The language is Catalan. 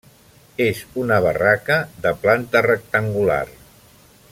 És una barraca de planta rectangular.